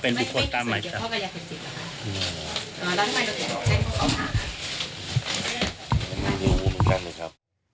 มันเป็นอุปกรณ์ตามหมายศึกษ์